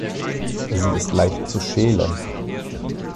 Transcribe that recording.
Sie ist leicht zu schälen.